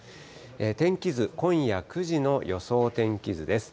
天気図、今夜９時の予想天気図です。